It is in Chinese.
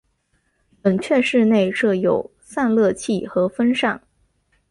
冷却室内设有散热器和风扇。